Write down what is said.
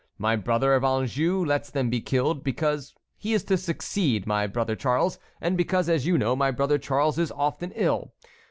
My brother of Anjou lets them be killed because he is to succeed my brother Charles, and because, as you know, my brother Charles is often ill.